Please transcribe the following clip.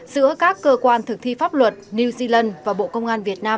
giữa các cơ quan thực thi pháp luật new zealand và bộ công an việt nam